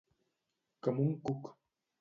Com un cuc.